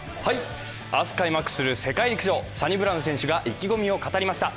明日開幕する世界陸上サニブラウン選手が意気込みを語りました。